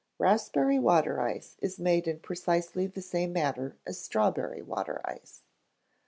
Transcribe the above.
Raspberry Water Ice is made in precisely the same manner as Strawberry water ice.